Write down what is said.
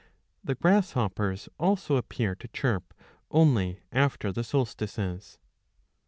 The grasshoppers also appear to chirp only after the solstices.